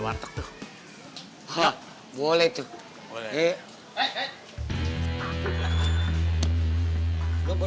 untuk gue bakalan kerumah